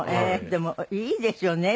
でもいいですよね。